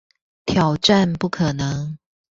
挑戰不可能